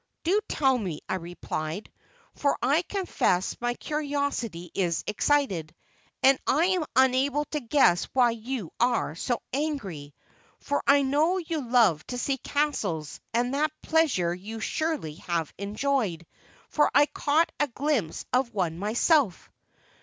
"Do tell me," I replied, "for I confess my curiosity is excited, and I am unable to guess why you are so angry; for I know you love to see castles, and that pleasure you surely have enjoyed, for I caught a glimpse of one myself."